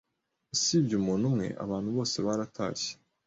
Usibye umuntu umwe, abantu bose baratashye.